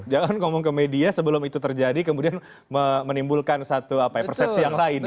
jangan ngomong ke media sebelum itu terjadi kemudian menimbulkan satu persepsi yang lain